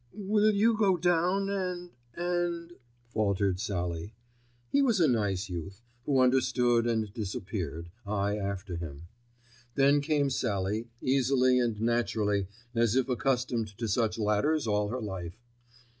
"Will you go down and—and——" faltered Sallie. He was a nice youth, who understood and disappeared, I after him. Then came Sallie, easily and naturally as if accustomed to such ladders all her life.